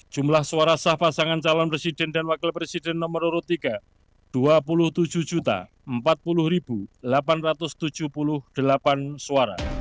jumlah suara sah pasangan calon presiden dan wakil presiden nomor urut tiga dua puluh tujuh empat puluh delapan ratus tujuh puluh delapan suara